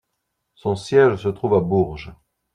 Son siège se trouve à Bourges.